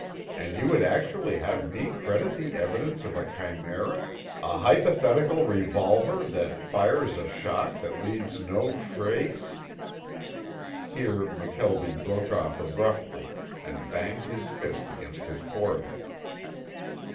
And you would actually have me credit the evidence of a chimera, a hypothetical revolver that fires a shot that leaves no trace '" Here McKelvie broke off abruptly and banged his fist against his forehead.